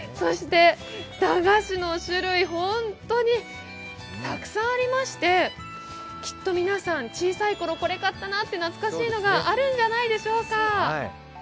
駄菓子の種類、本当にたくさんありまして、きっと皆さん、小さい頃これ買ったなって懐かしいのがあるんじゃないでしょうか。